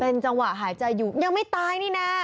จังหวะหายใจอยู่ยังไม่ตายนี่นะ